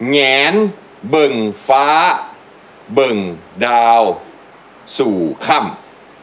แงนเบิ่งฟ้าเบิ่งดาวสู่ค่ำ